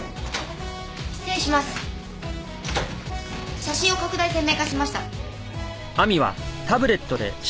写真を拡大鮮明化しました。